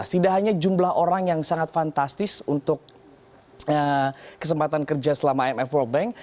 tidak hanya jumlah orang yang sangat fantastis untuk kesempatan kerja selama imf world bank